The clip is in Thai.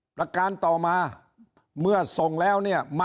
ประการต่อมาเมื่อส่งแล้ว